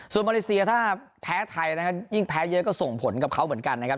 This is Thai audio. ส่วนมาเลเซียถ้าแพ้ไทยนะครับยิ่งแพ้เยอะก็ส่งผลกับเขาเหมือนกันนะครับ